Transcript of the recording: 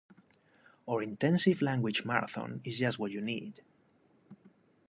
Our intensive language marathon is just what you need!